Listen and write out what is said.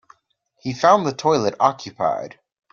He found the toilet occupied.